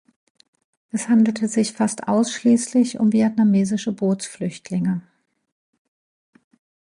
Es handelte sich fast ausschließlich um vietnamesische Bootsflüchtlinge.